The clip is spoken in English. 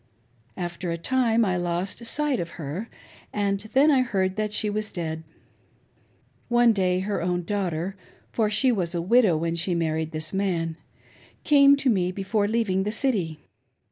After a time I lost sight of her, and then I heard that she was dead. One day her own daughter, — for she was a widow when she married this man, — ^came to me before; leaving the city.